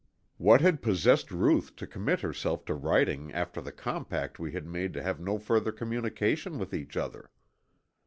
What had possessed Ruth to commit herself to writing after the compact we had made to have no further communication with each other!